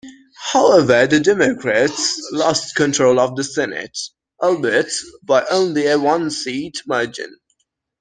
However, the Democrats lost control of the Senate, albeit by only a one-seat margin.